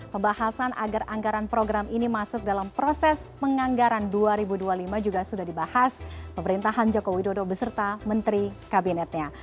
pembahasan agar anggaran program ini masuk dalam proses penganggaran dua ribu dua puluh lima juga sudah dibahas pemerintahan joko widodo beserta menteri kabinetnya